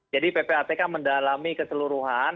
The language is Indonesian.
jadi ppatk mendalami keseluruhan